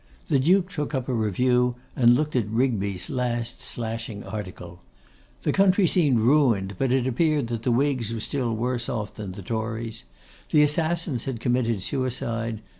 The Duke took up a review, and looked at Rigby's last slashing article. The country seemed ruined, but it appeared that the Whigs were still worse off than the Tories. The assassins had committed suicide.